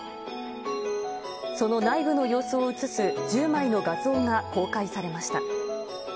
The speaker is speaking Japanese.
その内部の様子を写す１０枚の画像が公開されました。